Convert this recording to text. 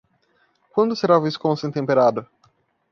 Quando será Wisconsin temperado?